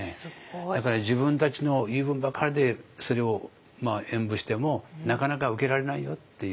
だから自分たちの言い分ばかりでそれを演舞してもなかなか受け入れられないよっていう。